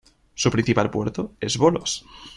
Su principal puerto es Volos.